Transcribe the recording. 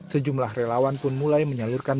sejumlah relawan pun mulai menyalurkan